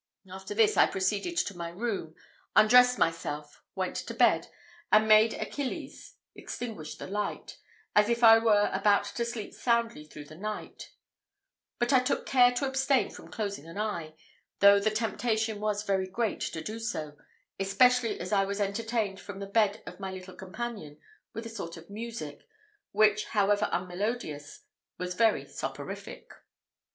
After this I proceeded to my room, undressed myself, went to bed, and made Achilles extinguish the light, as if I were about to sleep soundly through the night; but I took care to abstain from closing an eye, though the temptation was very great to do so; especially as I was entertained from the bed of my little companion with a sort of music, which, however unmelodious, was very soporific.